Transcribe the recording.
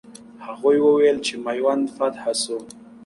هغوی وویل چې میوند فتح سو.